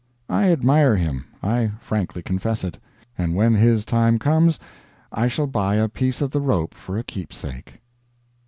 I admire him, I frankly confess it; and when his time comes I shall buy a piece of the rope for a keepsake.